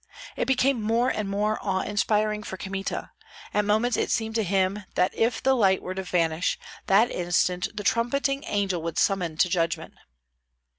It became more and more awe inspiring for Kmita; at moments it seemed to him that if the light were to vanish, that instant the trumpeting angel would summon to judgment.